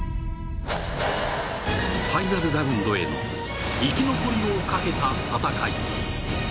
ファイナルラウンドへの生き残りをかけた戦い。